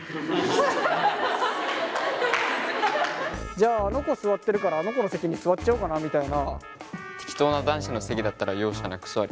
じゃああの子座ってるからあの子の席に座っちゃおうかなみたいな。